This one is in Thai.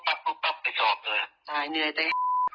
ก็ประดิษฐ์นู้นเอาไปสอบ